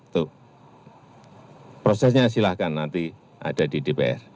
tuh prosesnya silahkan nanti ada di dpr